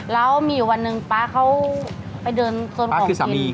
แล้วมีวันหนึ่งป๊าเขาไปเดินโซนของกินป๊าคือสามี